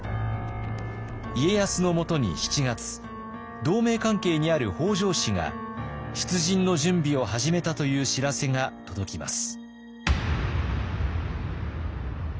家康のもとに７月同盟関係にある北条氏が出陣の準備を始めたという知らせが届きます。